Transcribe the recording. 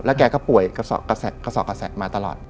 แกก็ป่วยกระสอบกระแสมาตลอด